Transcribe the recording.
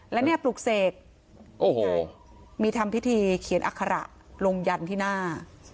และเนี่ยปลุกเสกโอ้โหมีทำพิธีเขียนอัคระลงยันที่หน้า